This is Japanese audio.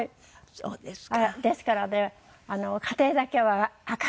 そうですか。